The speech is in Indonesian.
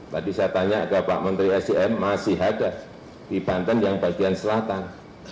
tadi saya tanya ke pak menteri sdm masih ada di banten yang bagian selatan